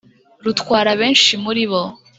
rutwara benshi muri bo